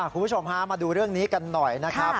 คุณผู้ชมฮะมาดูเรื่องนี้กันหน่อยนะครับ